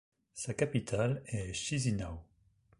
Sa capitale est Chișinău.